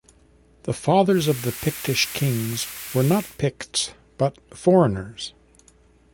The fathers of the Pictish kings were not Picts but foreigners.